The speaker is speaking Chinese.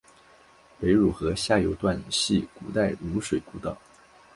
北汝河下游段系古代汝水故道。